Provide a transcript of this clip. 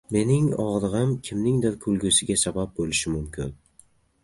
Mening og‘rig‘im kimningdir kulgisiga sabab bo‘lishi mumkin